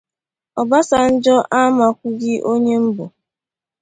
Obasanjo amakwụghị onye m bụ